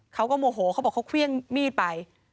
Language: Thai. เขาก็โมโหเขาบอกเขาเครื่องมีดไป